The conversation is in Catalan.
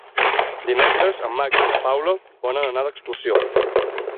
Dimecres en Max i na Paula volen anar d'excursió.